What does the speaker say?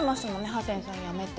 ハセンさん辞めて。